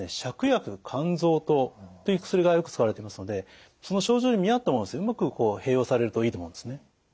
芍薬甘草湯という薬がよく使われていますのでその症状に見合ったものをうまく併用されるといいと思うんですね。